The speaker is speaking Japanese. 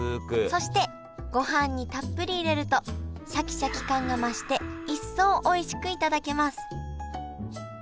そしてごはんにたっぷり入れるとシャキシャキ感が増して一層おいしくいただけます